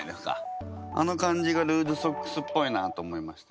あの感じがルーズソックスっぽいなと思いました。